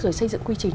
rồi xây dựng quy trình